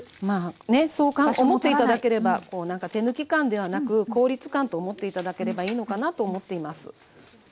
まあねそう思って頂ければこうなんか手抜き感ではなく効率感と思って頂ければいいのかなと思っています。